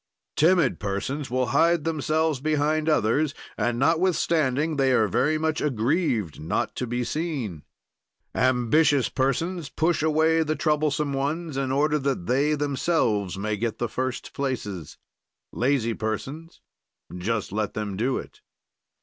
"Timid persons will hide themselves behind others and, notwithstanding, they are very much aggrieved not to be seen. "Ambitious persons push away the troublesome ones, in order that they themselves may get the first places. "Lazy persons just let them do it.